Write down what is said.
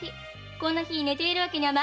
こんな日に寝ているわけにはまいりませぬ。